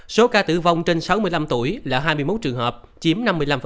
số ca tử vong trên sáu mươi năm tuổi là hai mươi một trường hợp chiếm năm mươi năm